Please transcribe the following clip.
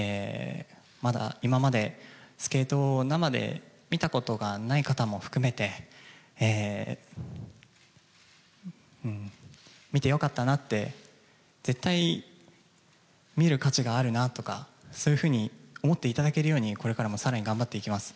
まだ今までスケートを生で見たことがない方も含めて、見てよかったなって、絶対見る価値があるなとか、そういうふうに思っていただけるように、これからもさらに頑張っていきます。